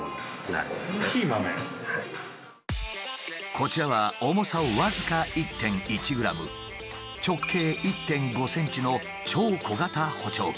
こちらは重さ僅か１．１ｇ直径１．５ｃｍの超小型補聴器。